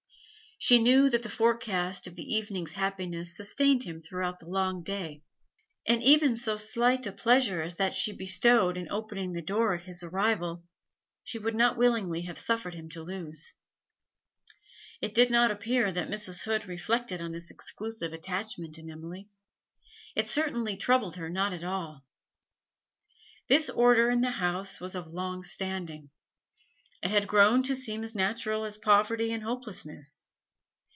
She knew that the forecast of the evening's happiness sustained him through the long day, and even so slight a pleasure as that she bestowed in opening the door at his arrival, she would not willingly have suffered him to lose. It did not appear that Mrs. Hood reflected on this exclusive attachment in Emily; it certainly troubled her not at all. This order in the house was of long standing; it had grown to seem as natural as poverty and hopelessness.